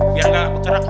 biar nggak bergerak